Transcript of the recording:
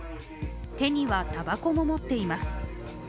手には、たばこも持っています。